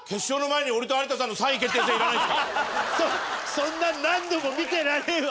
そんな何度も見てられねえわ！